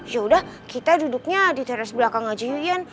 yaudah kita duduknya di teras belakang aja ian